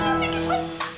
gue nggak akan nyerah